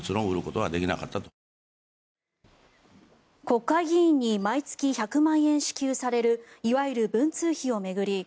国会議員に毎月１００万円支給されるいわゆる文通費を巡り